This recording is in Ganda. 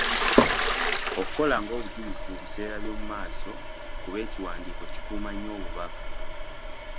Okukola ng’obujulizi mu biseera by’omu maaso kuba ekiwandiiko kikuuma nnyo obubaka.